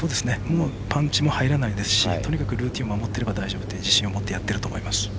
パンチも入らないですしとにかくルーティンを守っていれば大丈夫だという確信を持っていると思います。